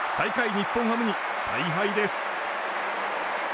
日本ハムに大敗です。